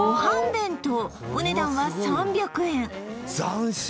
弁当お値段は３００円